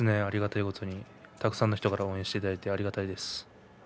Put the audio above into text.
ありがたいことにたくさんの方から応援していただいてありがたいです。